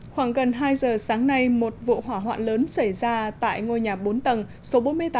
khoảng gần hai giờ sáng nay một vụ hỏa hoạn lớn xảy ra tại ngôi nhà bốn tầng số bốn mươi tám